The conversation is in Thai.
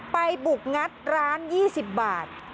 ไปบุกงัดร้าน๒๐บาท